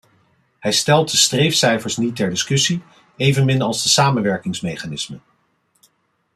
Hij stelt de streefcijfers niet ter discussie, evenmin als de samenwerkingsmechanismen.